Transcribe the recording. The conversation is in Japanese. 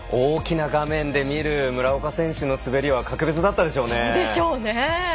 大きな画面で見る村岡選手の滑りはそうでしょうね。